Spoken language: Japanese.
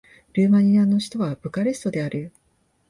ルーマニアの首都はブカレストである